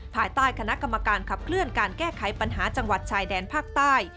ภายใต้คณะกรรมการขับเคลื่อนการแก้ไขปัญหาจังหวัดชายแดนภาคใต้